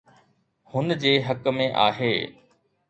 هن جي حق ۾ آهي.